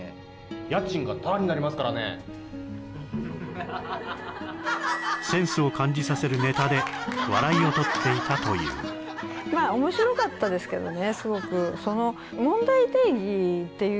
家賃がタダになりますからねセンスを感じさせるネタで笑いをとっていたというなかなかしてましたね